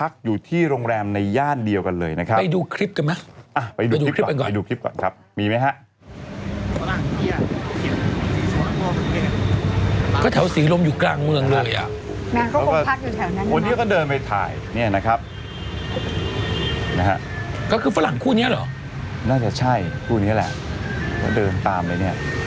คุณผัดไทยวันนี้เห็นบอกมีผลมากวัน